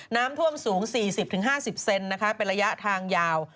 น้ำท่วมสูง๔๐๕๐เซนนะคะเป็นระยะทางยาว